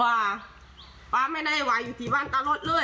ป๊าไม่ได้ไหวอยู่ที่บ้านตลอดเลย